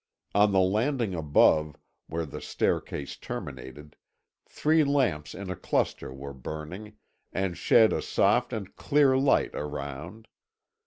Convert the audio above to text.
On the landing above, where the staircase terminated, three lamps in a cluster were burning, and shed a soft and clear light around.